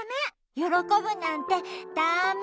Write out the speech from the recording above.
よろこぶなんてダメ！